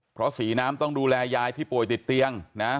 เพราะศรีน้ำต้องดูแลยายที่ป่วยติดเตียงนะ